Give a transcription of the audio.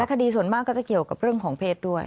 คดีส่วนมากก็จะเกี่ยวกับเรื่องของเพศด้วย